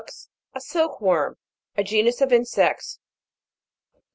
113 bux, a silk worm. A genus of insects.